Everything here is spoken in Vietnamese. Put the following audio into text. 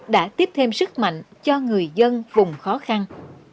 đã tiếp thêm sức mạnh cho người dân vùng khó khăn